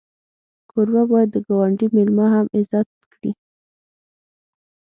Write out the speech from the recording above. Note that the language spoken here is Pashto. کوربه باید د ګاونډي میلمه هم عزت کړي.